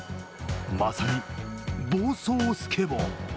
まさに暴走スケボー。